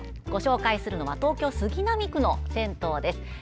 ご紹介するのは東京・杉並区の銭湯です。